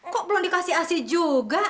kok belum dikasih asi juga